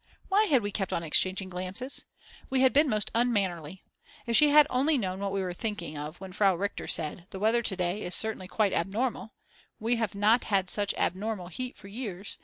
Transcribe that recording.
Why had we kept on exchanging glances? We had been most unmannerly. If she had only known what we were thinking of when Frau Richter said, the weather to day is certainly quite abnormal; we have not had such abnormal heat for years.